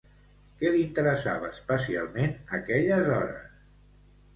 Què l'interessava especialment aquelles hores?